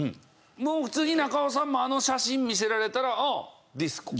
もう普通に中尾さんもあの写真見せられたらああディスコ。